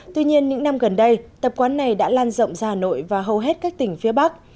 tuy nhiên những năm gần đây tập quán này đã lan rộng ra hà nội và hầu hết các tỉnh phía bắc